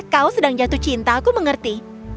kau sedang jatuh cinta aku mengerti